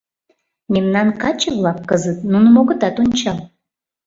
Мемнан каче-влак кызыт нуным огытат ончал.